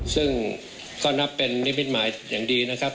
ซึ่งก็นับเป็นนิมิตหมายอย่างดีนะครับ